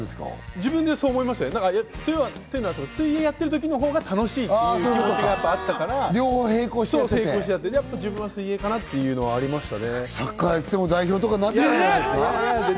自分でそう思いましたね。というのは水泳やってるときのほうが楽しいというのがあったから、やっぱ自分は水泳かなというのはありましたね。